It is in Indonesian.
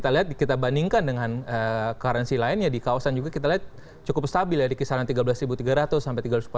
kita lihat kita bandingkan dengan currency lainnya di kawasan juga kita lihat cukup stabil ya di kisaran tiga belas tiga ratus sampai tiga ratus empat puluh